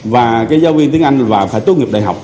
và cái giáo viên tiếng anh phải tuân nghiệp đại học